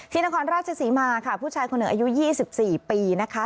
นครราชศรีมาค่ะผู้ชายคนหนึ่งอายุ๒๔ปีนะคะ